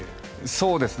そうですね。